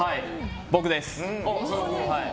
僕です。